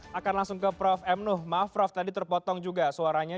saya akan langsung ke prof m nuh maaf prof tadi terpotong juga suaranya